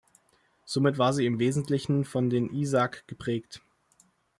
Somit war sie im Wesentlichen von den Isaaq geprägt.